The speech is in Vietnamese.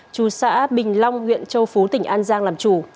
chú xã bình long huyện châu phú tỉnh an giang làm chủ